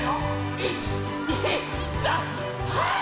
１２３はい！